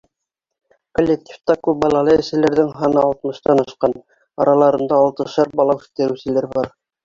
Коллективта күп балалы әсәләрҙең һаны алтмыштан ашҡан, араларында алтышар бала үҫтереүселәр бар.